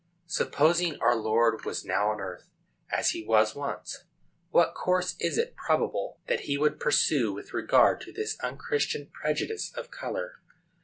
Supposing our Lord was now on earth, as he was once, what course is it probable that he would pursue with regard to this unchristian prejudice of color?